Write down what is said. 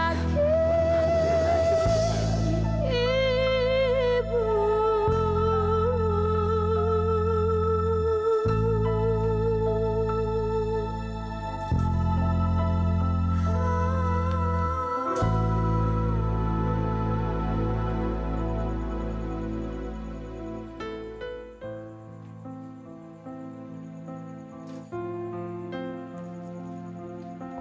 aku terlalu berharga